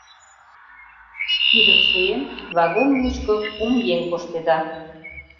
Кидым шуен, вагон мучко кум еҥ коштеда.